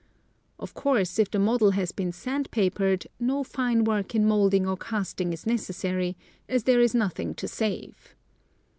Of course, if the model has been sand papered, no fine work in moulding or casting is necessary, as there is nothing to save.